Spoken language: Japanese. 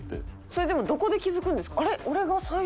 それでもどこで気づくんですか？